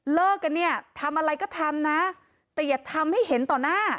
เลิกกันเนี่ยทำอะไรก็ทำนะแต่อย่าทำให้เห็นต่อหน้า